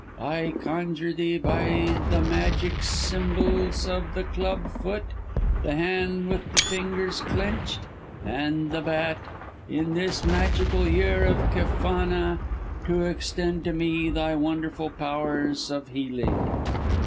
I conjure thee by the magic symbols of the club foot, the hand with the fingers clenched, and the bat, in this the magical year of Kefana, to extend to me thy wonderful powers of healing.